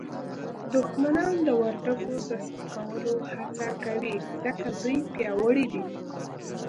دښمنان د وردګو د سپکولو هڅه کوي ځکه دوی پیاوړي دي